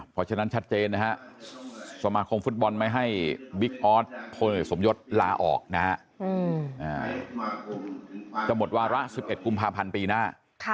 เพราะฉะนั้นชัดเจนนะฮะสมาคมฟุตบอลไม่ให้บิ๊กออสพลเอกสมยศลาออกนะฮะจะหมดวาระ๑๑กุมภาพันธ์ปีหน้า